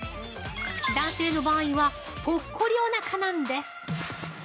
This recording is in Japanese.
男性の場合は、ぽっこりおなかなんです！